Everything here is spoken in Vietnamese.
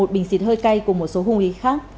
một bình xịt hơi cay cùng một số hung khí khác